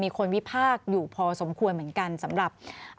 มีคนวิภาคอยู่พอสมควรเหมือนกันภาพ